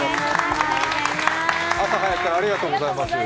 朝早くからありがとうございます。